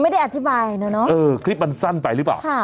ไม่ได้อธิบายคลิปมันสั้นไปหรือเปล่า